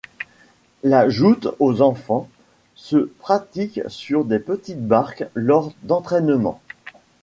La joutes en enfants se pratiquent sur des petites barques lors d'entrainements.